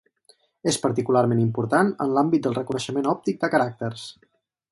És particularment important en l'àmbit del reconeixement òptic de caràcters.